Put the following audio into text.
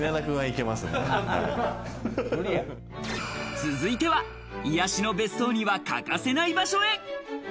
続いては癒やしの別荘には欠かせない場所へ。